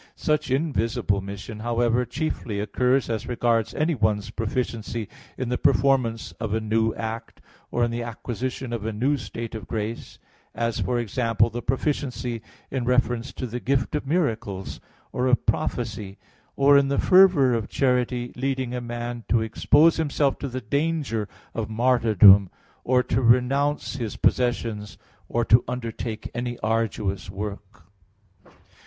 Such invisible mission, however, chiefly occurs as regards anyone's proficiency in the performance of a new act, or in the acquisition of a new state of grace; as, for example, the proficiency in reference to the gift of miracles or of prophecy, or in the fervor of charity leading a man to expose himself to the danger of martyrdom, or to renounce his possessions, or to undertake any arduous work.